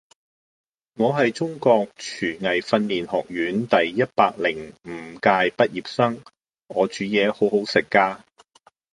我係中國廚藝訓練學院第一百零五屆畢業生，我煮嘢好好食㗎